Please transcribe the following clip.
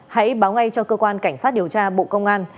hãy báo ngay cho cơ quan cảnh sát điều tra bộ công an